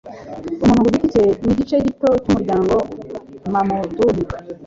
umuntu ku giti cye nigice gito cyumuryango mamduhi